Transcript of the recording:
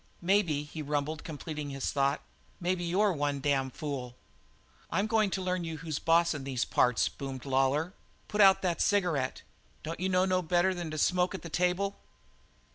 "Maybe," he rumbled, completing his thought, "maybe you're one damn fool!" "I'm going to learn you who's boss in these parts," boomed Lawlor. "Put out that cigarette! Don't you know no better than to smoke at the table?"